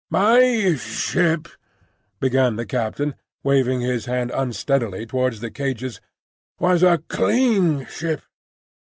"My ship," began the captain, waving his hand unsteadily towards the cages, "was a clean ship.